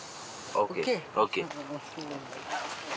ＯＫＯＫ